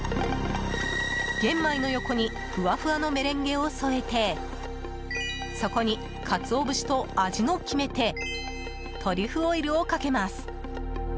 玄米の横にふわふわのメレンゲを添えてそこに、かつお節と味の決め手トリュフオイルをかけます。